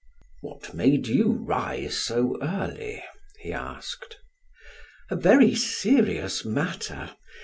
"What made you rise so early?" he asked. "A very serious matter.